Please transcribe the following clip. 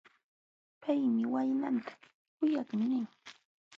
Paymi waynanta: kuyakmi nin.